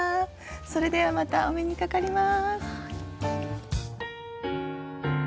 それではまたお目にかかります。